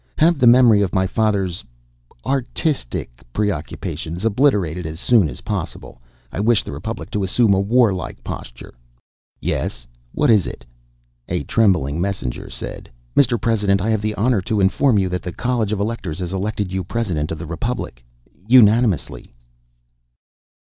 Have the memory of my father's artistic preoccupations obliterated as soon as possible. I wish the Republic to assume a war like posture yes; what is it?" A trembling messenger said: "Mr. President, I have the honor to inform you that the College of Electors has elected you President of the Republic unanimously."